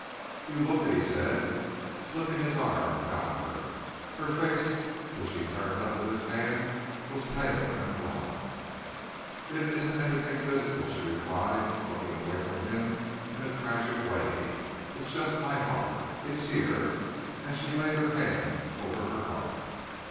"You look it," he said, slipping his arm about her. Her face, which he turned up with his hand, was pale and drawn. "It isn't anything physical," she replied, looking away from him in a tragic way. "It's just my heart. It's here!" and she laid her hand over her heart.